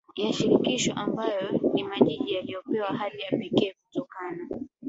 ya Shirikisho ambayo ni majiji yaliyopewa hadhi ya pekee kutokana